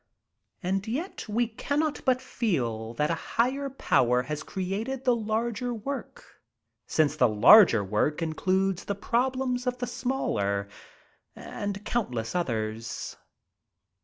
And yet we cannot but feel that a higher power has created the larger work, since the larger work includes the problems of the smaller; and countless others.